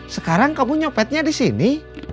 sekarang kamu nyopetnya di sini